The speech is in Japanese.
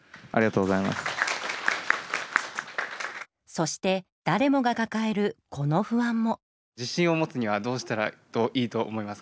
そして、誰もが抱えるこの不安も。